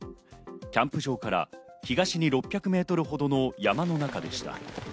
キャンプ場から東に６００メートルほどの山の中でした。